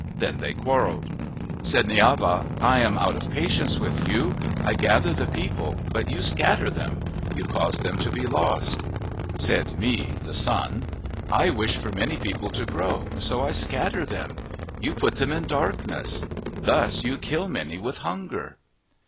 Then they quarrelled. Said Niaba :" I am out of patience with you. I gather the people but you scatter them. You cause them to be lost." Said Mi, the Sun :" I wish for many people to grow, so I scatter them. You put them in darkness ; thus you kill many with hunger."